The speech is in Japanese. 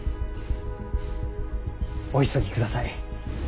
お急ぎください。